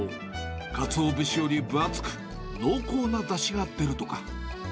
かつお節より分厚く、濃厚なだしが出るとか。